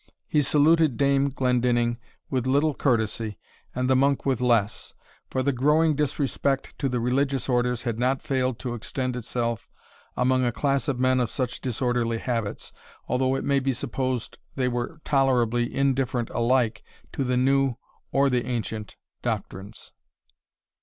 He saluted Dame Glendinning with little courtesy, and the monk with less; for the growing, disrespect to the religious orders had not failed to extend itself among a class of men of such disorderly habits, although it may be supposed they were tolerably indifferent alike to the new or the ancient doctrines.